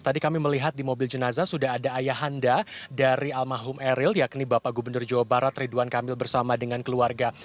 tadi kami melihat di mobil jenazah sudah ada ayahanda dari almarhum eril yakni bapak gubernur jawa barat ridwan kamil bersama dengan keluarga